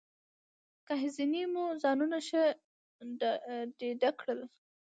ګهیځنۍ مو ځانونه ښه ډېډه کړل.